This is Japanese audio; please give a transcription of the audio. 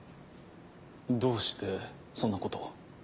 どうしてそんなことを。